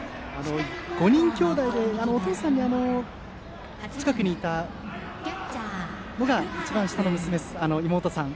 ５人きょうだいでお父さんの近くにいたのが一番下の妹さん。